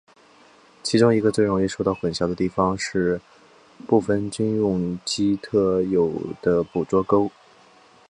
其中一个最容易受到混淆的地方是部份军用机特有的捕捉勾。